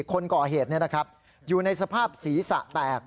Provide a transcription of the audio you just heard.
คนก่อเหตุนี่นะครับอยู่ในสภาพศีรษะแตก